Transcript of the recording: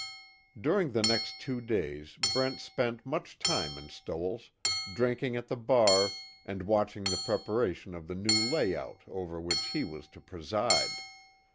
During the next two days Brent spent much time in Stoell's, drinking at the bar, and watching the preparation of the new layout over which he was to preside.